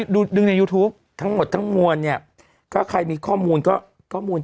ดูในยูทูปทั้งหมดทั้งมวลเนี่ยก็ใครมีข้อมูลก็ข้อมูล